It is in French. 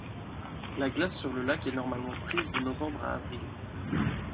La glace sur le lac est normalement prise de novembre à avril.